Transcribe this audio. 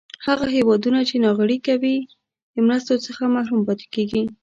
هغه هېوادونه چې ناغیړي کوي د مرستو څخه محروم پاتې کیږي.